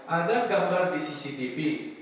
ada gambar di cctv